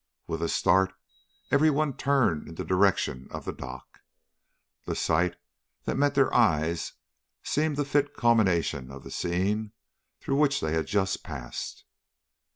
With a start, every one turned in the direction of the dock. The sight that met their eyes seemed a fit culmination of the scene through which they had just passed.